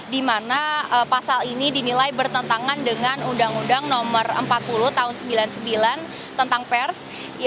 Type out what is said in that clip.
di mana pasal ini dinilai bertentangan dengan undang undang nomor empat puluh tahun seribu sembilan ratus sembilan puluh sembilan tentang pers